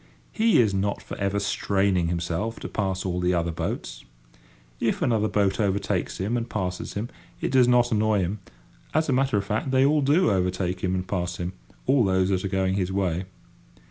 He is not for ever straining himself to pass all the other boats. If another boat overtakes him and passes him it does not annoy him; as a matter of fact, they all do overtake him and pass him—all those that are going his way.